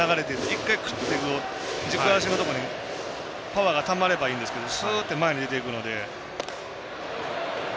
１回、グッと軸足のところにパワーがたまればいいんですけどスーッと前に出ていくので。